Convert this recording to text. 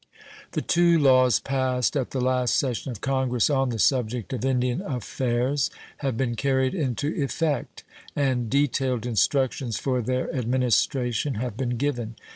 The two laws passed at the last session of Congress on the subject of Indian affairs have been carried into effect, and detailed instructions for their administration have been given.